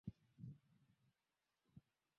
Wakifanya ubaya, uwajibu kwa wema.